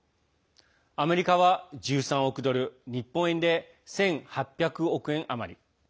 アメリカは１３億ドル日本円で１８００億円余り。